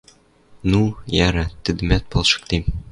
Ну, яра, тӹдӹмӓт палшыктем.